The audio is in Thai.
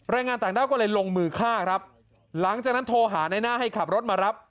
แรงงานต่างด้าวก็เลยลงมือฆ่าครับหลังจากนั้นโทรหาในหน้าให้ขับรถมารับ